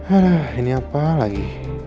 aduh ini apa lagi